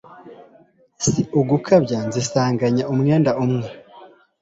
Si ugukabya nzisanganye umwenda umwe